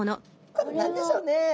これ何でしょうね？